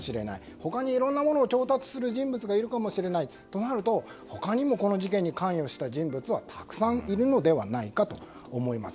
他にいろいろなものを調達する人物がいるかもしれないとなると他にも、この事件に関与した人物はたくさんいるのではないかと思います。